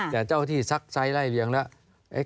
แต่เจ้าหน้าที่ซักไซด์ไล่เรียงแล้ว